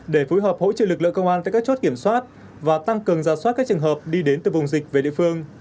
để phối hợp hỗ trợ lực lượng công an tại các chốt kiểm soát và tăng cường giả soát các trường hợp đi đến từ vùng dịch về địa phương